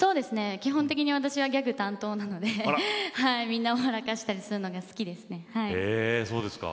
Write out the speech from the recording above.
基本的に私はギャグ担当なので、みんなを笑かしたりするのが好きですね。